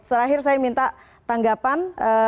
terakhir saya minta tanggapan